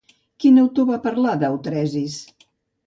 Quin autor va parlar d'Eutresis?